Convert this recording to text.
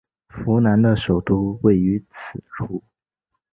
扶南的首都位于此处。